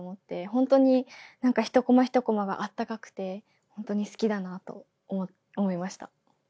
本当に、なんか１コマ１コマがあったかくて、本当に好きだなと思いました。